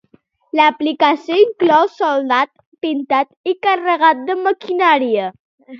L'aplicació inclou soldat, pintat i càrrega de maquinària.